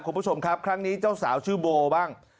คุณผู้ชมครับครั้งนี้เจ้าสาวชื่อโบบ้าง